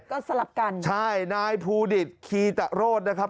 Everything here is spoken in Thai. ก็สลับกันใช่นายภูดิตคีตะโรธนะครับ